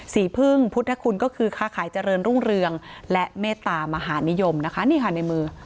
พึ่งพุทธคุณก็คือค้าขายเจริญรุ่งเรืองและเมตตามหานิยมนะคะนี่ค่ะในมือ